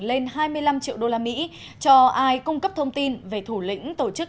lên hai mươi năm triệu đô la mỹ cho ai cung cấp thông tin về thủ lĩnh tổ chức